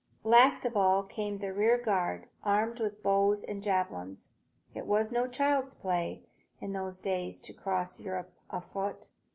Last of all came the rear guard, armed with bows and javelins. It was no child's play, in those days, to cross Europe afoot.